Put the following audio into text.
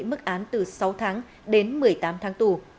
mức án từ sáu tháng đến một mươi tám tháng tù